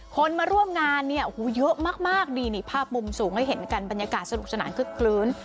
คนมาร่วมงานเยอะมากดีภาพมุมสูงให้เห็นกันบรรยากาศสนุกสนานคลื้น